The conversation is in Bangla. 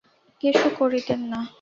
কিছু করিতেন না!